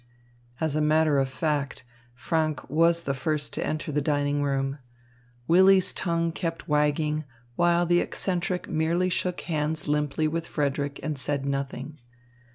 As a matter of fact, Franck was the first to enter the dining room. Willy's tongue kept wagging, while the eccentric merely shook hands limply with Frederick and said nothing.